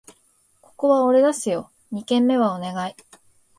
ここは俺出すよ！二軒目はお願い